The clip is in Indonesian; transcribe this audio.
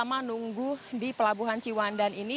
berapa lama nunggu di pelabuhan ciwandan ini